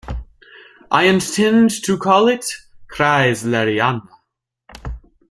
I intend to call it Kreisleriana.